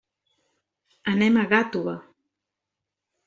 Anem a Gàtova.